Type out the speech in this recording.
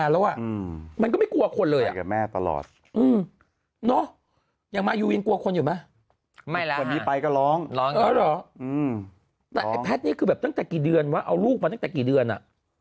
แล้วไอ้แพทย์กลับนั้นตั้งจากกี่เดือนว่ะเอารูกมากันตั้งแต่กี่เดือนอ่ะ